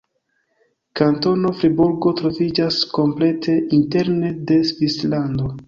Kantono Friburgo troviĝas komplete interne de Svislando.